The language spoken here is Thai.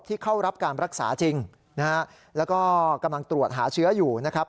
เข้ารับการรักษาจริงนะฮะแล้วก็กำลังตรวจหาเชื้ออยู่นะครับ